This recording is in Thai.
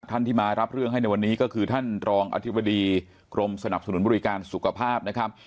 ที่มารับเรื่องให้ในวันนี้ก็คือท่านรองอธิบดีกรมสนับสนุนบริการสุขภาพนะครับ